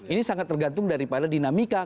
ini sangat tergantung daripada dinamika